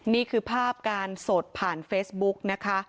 นี่คือภาพการสดผ่านเฟซบุ๊กนะคะ